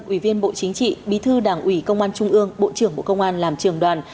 ủy viên bộ chính trị bí thư đảng ủy công an trung ương bộ trưởng bộ công an làm trường đoàn